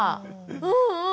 うんうん。